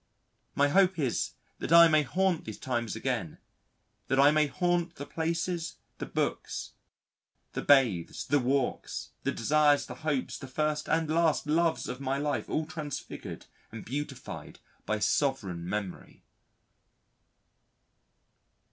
My hope is that I may haunt these times again, that I may haunt the places, the books, the bathes, the walks, the desires, the hopes, the first (and last) loves of my life all transfigured and beatified by sovereign Memory.